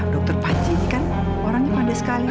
dokter panji kan orangnya pandai sekali terjatuh